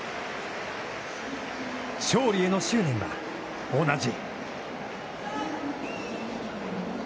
勝利への執念は同じ。